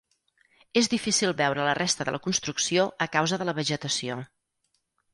És difícil veure la resta de la construcció a causa de la vegetació.